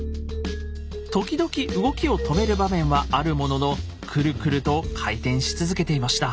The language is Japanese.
時々動きを止める場面はあるもののくるくると回転し続けていました。